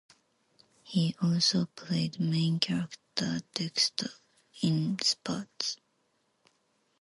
He also played main character Dexter in "Spatz".